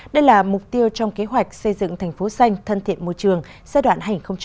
đây là mục tiêu trong kế hoạch xây dựng thành phố xanh thân thiện môi trường giai đoạn hai nghìn hai mươi một hai nghìn hai mươi năm